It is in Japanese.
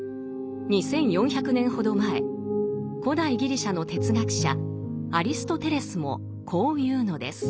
２，４００年ほど前古代ギリシャの哲学者アリストテレスもこう言うのです。